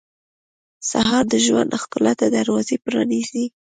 سهار د ژوند ښکلا ته دروازه پرانیزي.